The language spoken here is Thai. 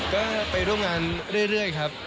ก็ไปร่วมงานเรื่อยครับ